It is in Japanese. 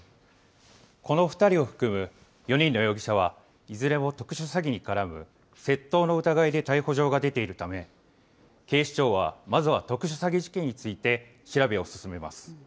この２人を含む４人の容疑者は、いずれも特殊詐欺に絡む窃盗の疑いで逮捕状が出ているため、警視庁は、まずは特殊詐欺事件について調べを進めます。